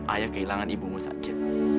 ayah kehilangan ibumu saja